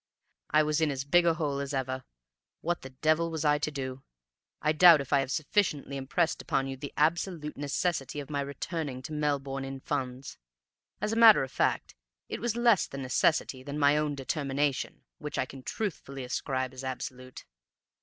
"I was in as big a hole as ever. What the devil was I to do? I doubt if I have sufficiently impressed upon you the absolute necessity of my returning to Melbourne in funds. As a matter of fact it was less the necessity than my own determination which I can truthfully ascribe as absolute.